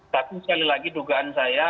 tapi sekali lagi dugaan saya